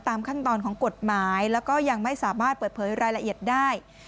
ตามขั้นตอนของกฎหมายแล้วก็ยังไม่สามารถเปิดเผยรายละเอียดได้